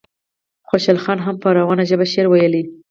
خوشحال خان هم په روانه ژبه شعر ویلی.